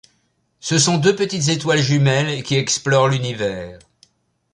Ce sont deux petites étoiles jumelles qui explorent l'univers.